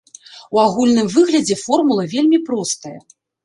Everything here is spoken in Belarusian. У агульным выглядзе формула вельмі простая.